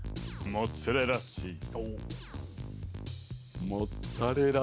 モッツァレラチズ！